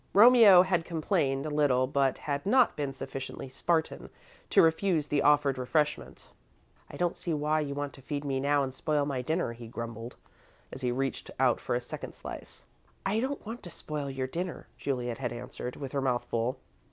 Romeo had complained a little but had not been sufficiently Spartan to refuse the offered refreshment. "I don't see why you want to feed me now and spoil my dinner," he grumbled, as he reached out for a second slice. "I don't want to spoil your dinner," Juliet had answered, with her mouth full.